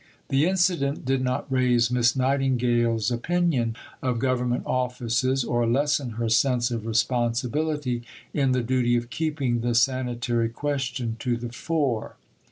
The incident did not raise Miss Nightingale's opinion of government offices, or lessen her sense of responsibility in the duty of keeping the sanitary question to the fore.